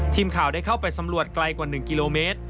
ทีมข่าวได้เข้าไปสำรวจไกลกว่า๑กิโลเมตร